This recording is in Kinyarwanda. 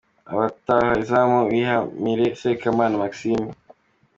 Abataha izamu: Biramahire , Sekamana Maxime.